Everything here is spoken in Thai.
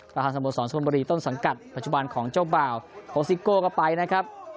ประธานสมบัติศาสตร์สมบัติต้นสังกัดปัจจุบันของเจ้าบ่าวโฮซิโก้ก็ไปนะครับ